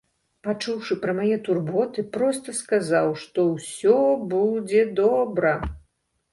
Пачуўшы пра мае турботы, проста сказаў, што ўсё будзе добра.